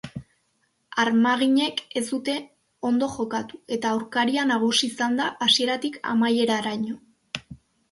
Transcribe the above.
Armaginek ez dute ondo jokatu eta aurkaria nagusi izan da hasieratik amaieraraino.